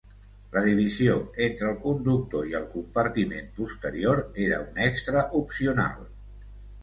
La divisió entre el conductor i el compartiment posterior era un extra opcional.